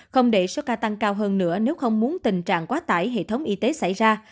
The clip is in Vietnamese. không để số ca tăng cao hơn nữa nếu không muốn tình trạng quá tải hệ thống y tế xảy ra